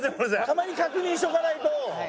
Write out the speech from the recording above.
たまに確認しておかないと。